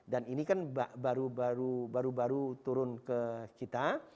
dan ini kan baru baru turun ke kita